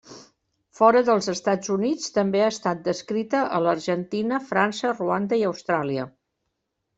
Fora dels Estats Units també ha estat descrita a l'Argentina, França, Ruanda i Austràlia.